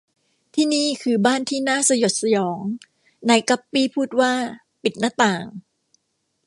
ที่นี่คือบ้านที่น่าสยดสยอง นายกั๊ปปี้พูดว่า ปิดหน้าต่าง